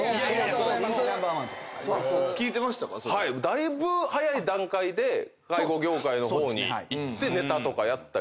だいぶ早い段階で介護業界の方に行ってネタとかやったり。